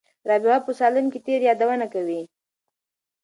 رابعه په صالون کې تېر یادونه کوي.